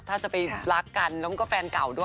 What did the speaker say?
ถ้าจะไปรักกันแล้วก็แฟนเก่าด้วย